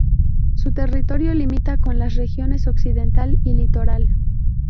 Su territorio limita con las regiones Occidental y Litoral.